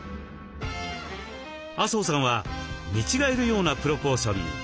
麻生さんは見違えるようなプロポーションに。